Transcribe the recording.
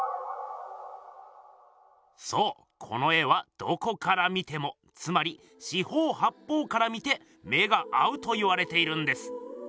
そうこの絵はどこから見てもつまり四方八方から見て目が合うといわれているんです。